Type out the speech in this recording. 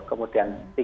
kemudian tiga t di